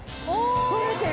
取れてる！